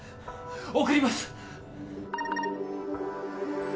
送ります。